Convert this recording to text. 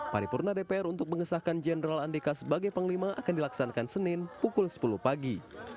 paripurna dpr untuk mengesahkan jenderal andika sebagai panglima akan dilaksanakan senin pukul sepuluh pagi